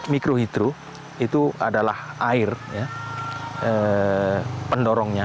mikrohidro itu adalah air pendorongnya